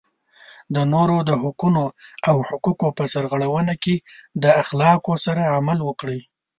د نورو د حقونو او حقوقو په سرغړونه کې د اخلاقو سره عمل وکړئ.